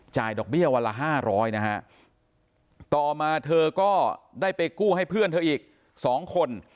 ดอกเบี้ยวันละห้าร้อยนะฮะต่อมาเธอก็ได้ไปกู้ให้เพื่อนเธออีก๒คน